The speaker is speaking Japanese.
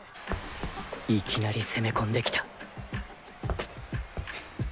いきなり攻めこんできた